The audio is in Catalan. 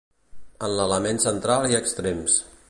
En l'element central i extrems.